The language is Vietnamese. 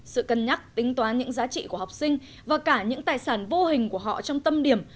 sự cân nhắc tính toán những giá trị của học sinh và cả những tài sản vô hình của họ trong tâm điểm